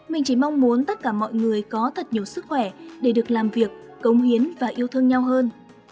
mình chỉ mong muốn tất cả mọi người có thật nhiều sức khỏe để được làm việc cống hiến và yêu thương nhau hơn